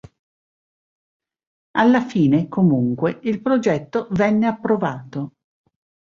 Alla fine, comunque, il progetto venne approvato.